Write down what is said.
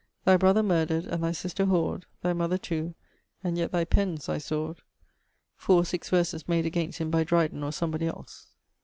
Thy brother murdred, and thy sister whor'd, Thy mother too and yet thy penne's thy sword; [XCIII.] 4 or 6 verses made against him by Driden or somebody else.